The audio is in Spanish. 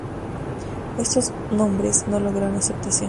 Estos nombres no lograron aceptación.